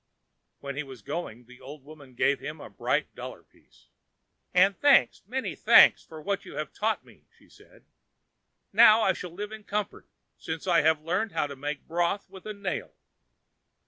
When he was going, the old woman gave him a bright dollar piece. "And thanks, many thanks, for what you have taught me," she said. "Now I shall live in comfort, since I have learned how to make broth with a nail."